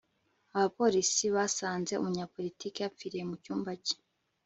abapolisi basanze umunyapolitiki yapfiriye mu cyumba cye